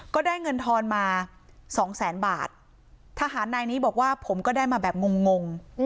ก็ได้เงินทอนมาสองแสนบาททหารนายนี้บอกว่าผมก็ได้มาแบบงงง